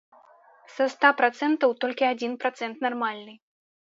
Са ста працэнтаў толькі адзін працэнт нармальны.